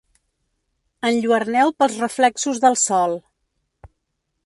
Enlluerneu pels reflexos del sol.